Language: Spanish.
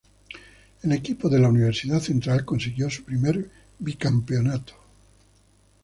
El equipo de la Universidad Central consiguió su primer bicampeonato.